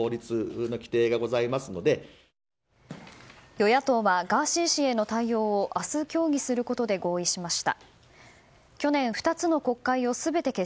与野党はガーシー氏への対応を明日協議することで合意しました。